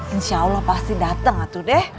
insya allah pasti dateng atuh deh